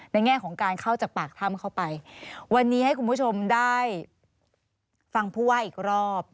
แง่ของการเข้าจากปากถ้ำเข้าไปวันนี้ให้คุณผู้ชมได้ฟังผู้ว่าอีกรอบ